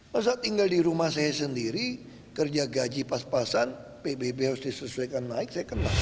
masa tinggal di rumah saya sendiri kerja gaji pas pasan pbb harus disesuaikan naik saya kena